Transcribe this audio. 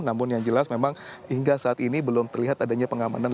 namun yang jelas memang hingga saat ini belum terlihat adanya pengamanan